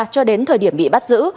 cho đến thời điểm bị bắt giữ